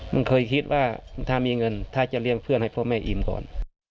มันเคยคิดว่าถ้ามีเงินถ้าจะเลี้ยงเพื่อนให้พ่อแม่อิ่มก่อน